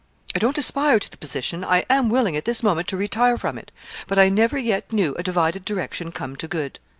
I don't aspire to the position I am willing at this moment to retire from it; but I never yet knew a divided direction come to good.